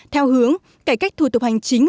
theo hướng cải cách thủ tục hành chính